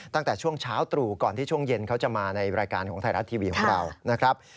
ตั้งแต่ช่วงเช้าตรู่ก่อนที่ช่วงเย็นเขาจะมาในรายการของไทยรัฐทีวีของเรานะครับ